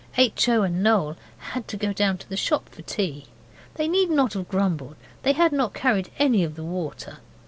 H. O. and Noel had to go down to the shop for tea; they need not have grumbled; they had not carried any of the water.